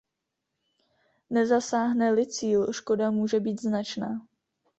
Nezasáhne-li cíl, škoda může být značná.